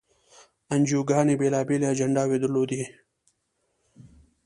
انجیوګانې بېلابېلې اجنډاوې یې درلودې.